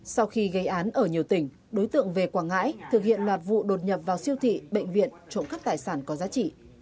sau khi gây án ở nhiều tỉnh đối tượng về quảng ngãi thực hiện loạt vụ đột nhập vào siêu thị bệnh viện trộm cắp tài sản có giá trị